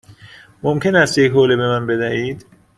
ممکن است یک حوله به من بدهید؟